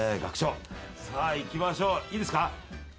いきましょういいですか？